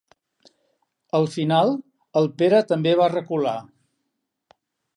Al final el Pere també va recular.